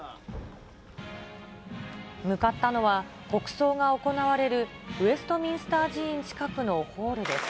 向かったのは、国葬が行われる、ウェストミンスター寺院近くのホールです。